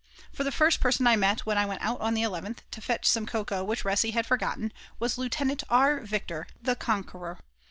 For the first person I met when I went out on the 11th to fetch some cocoa which Resi had forgotten, was Lieutenant R. Viktor, _the Conqueror!!